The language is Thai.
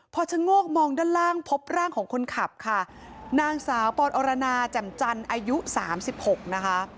พอชะงวกมองด้านล่างพบร่างของคนขับค่ะนางสาวปอดอรณาแจ่มจันอายุ๓๖นะคะ